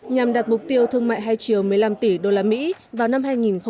nhằm đặt mục tiêu thương mại hai triều một mươi năm tỷ usd vào năm hai nghìn hai mươi